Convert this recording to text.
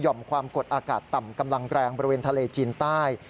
ความกดอากาศต่ำกำลังแรงบริเวณทะเลจีนใต้